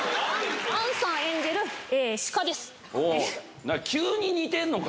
杏さん演じる紫夏です。